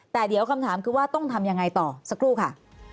แต่เดี๋ยวคำถามคือว่าต้องทำยังไงต่อสักครู่ค่ะ